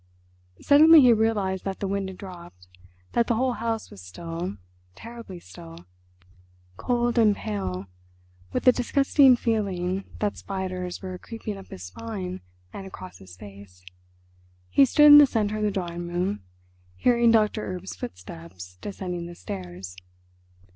Suddenly he realised that the wind had dropped, that the whole house was still, terribly still. Cold and pale, with a disgusting feeling that spiders were creeping up his spine and across his face, he stood in the centre of the drawing room, hearing Doctor Erb's footsteps descending the stairs.